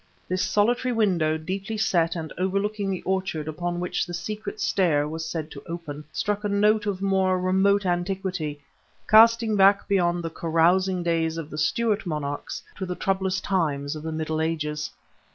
This solitary window deeply set and overlooking the orchard upon which the secret stair was said to open, struck a note of more remote antiquity, casting back beyond the carousing days of the Stuart monarchs to the troublous time of the Middle Ages.